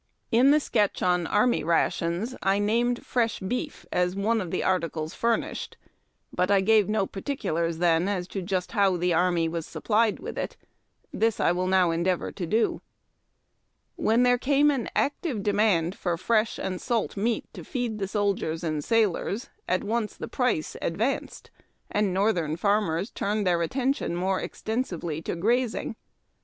In the sketch on Army Rations I named fresh beef as one of the articles furnished, but I gave no particulars as to just how the army was supplied with it. This I will now en deavor to do. When there came an active demand for fresh and salt meat to feed the soldiers and sailors, at once the price advanced, and Northern farmers turned their attention more extensively to grazing.